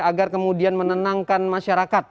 agar kemudian menenangkan masyarakat